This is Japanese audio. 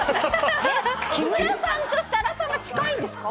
木村さんと設楽さんが近いんですか？